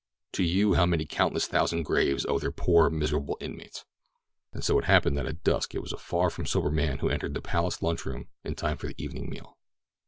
To you how many countless thousand graves owe their poor, miserable inmates! And so it happened that at dusk it was a far from sober man who entered the Palace Lunch Room in time for the evening meal.